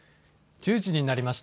１０時になりました。